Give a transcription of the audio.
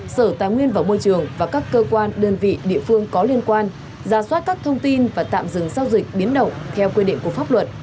sở tài nguyên và môi trường và các cơ quan đơn vị địa phương có liên quan ra soát các thông tin và tạm dừng giao dịch biến động theo quy định của pháp luật